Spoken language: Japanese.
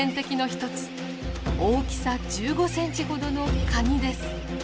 大きさ１５センチほどのカニです。